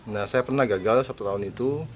nah saya pernah gagal satu tahun itu